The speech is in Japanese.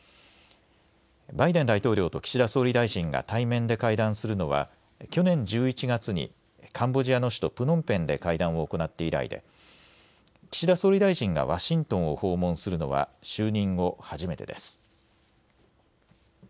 バイデン大統領と岸田総理大臣が対面で会談するのは去年１１月にカンボジアの首都プノンペンで会談を行って以来で岸田総理大臣がワシントンを訪問するのは就任後初めてです。